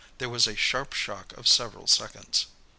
there was a sharp shock of several seconds."